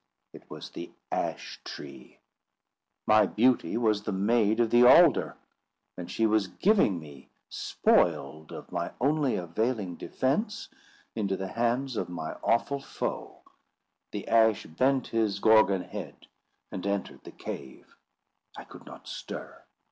It was the Ash tree. My beauty was the Maid of the Alder! and she was giving me, spoiled of my only availing defence, into the hands of my awful foe. The Ash bent his Gorgon head, and entered the cave. I could not stir.